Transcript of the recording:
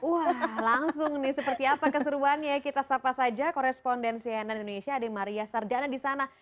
wah langsung nih seperti apa keseruannya ya kita sapa saja koresponden cnn indonesia ada maria sarjana di sana